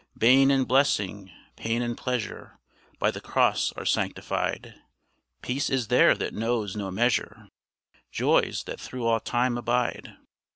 Bane and blessing, pain and pleasure, By the Cross are sanctified; Peace is there that knows no measure, Joys that through all time abide.